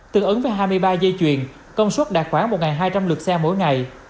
tương ứng với hai mươi ba dây chuyền công suất đạt khoảng một hai trăm linh lượt xe mỗi ngày